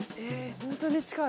本当に近い。